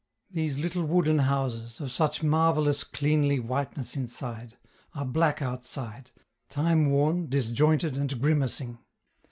These little wooden houses, of such marvellous cleanly whiteness inside, are black outside, timeworn, disjointed and grimacing.